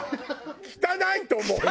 汚いと思うよ！